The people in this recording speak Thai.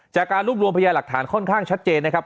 จากการรวบรวมพยาหลักฐานค่อนข้างชัดเจนนะครับ